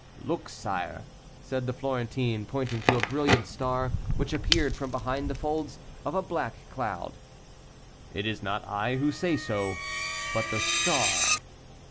"Look, sire," said the Florentine, pointing to a brilliant star, which appeared from behind the folds of a black cloud, "it is not I who say so, but the star!"